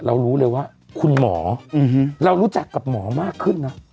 รู้เลยว่าคุณหมอเรารู้จักกับหมอมากขึ้นนะ